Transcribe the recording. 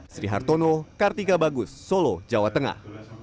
sri hartono kartika bagus solo jawa tengah